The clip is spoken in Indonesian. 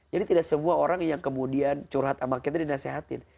jadi tidak semua orang yang kemudian curhat sama kita dinasehatin